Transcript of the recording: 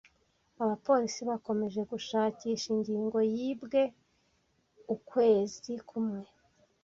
Abapolisi bakomeje gushakisha ingingo yibwe ukwezi kumwe.